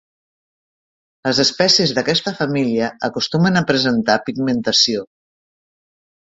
Les espècies d'aquesta família acostumen a presentar pigmentació.